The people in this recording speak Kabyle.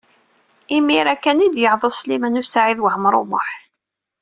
Imir-a kan ay d-yeɛḍes Sliman U Saɛid Waɛmaṛ U Muḥ.